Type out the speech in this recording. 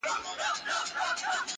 پېژندل یې کورنیو له عمرونو-